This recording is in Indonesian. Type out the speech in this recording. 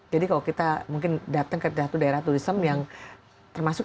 jadi kalau kita mungkin datang ke daerah turism yang termasuk